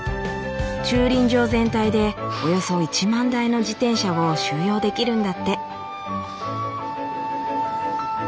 駐輪場全体でおよそ１万台の自転車を収容できるんだって。